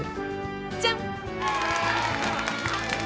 じゃん！